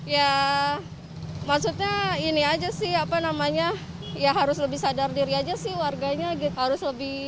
ya maksudnya ini aja sih apa namanya ya harus lebih sadar diri aja sih warganya harus lebih